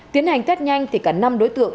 tiến hành thét nhanh thì cả năm đối tượng